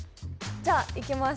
じゃあいきます